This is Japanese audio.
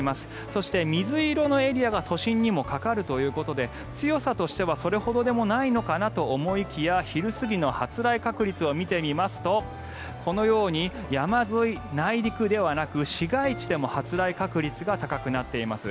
そして水色のエリアが都心にもかかるということで強さとしてはそれほどでもないのかなと思いきや昼過ぎの発雷確率を見てみますとこのように山沿い、内陸ではなく市街地でも発雷確率が高くなっています。